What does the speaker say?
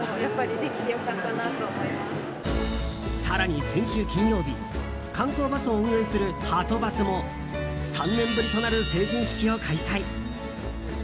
更に先週金曜日観光バスを運営する、はとバスも３年ぶりとなる成人式を開催。